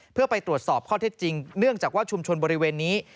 เพื่อไปตรวจสอบข้อเท็จจริงเนื่องจากว่าชุมชนบริเวณนี้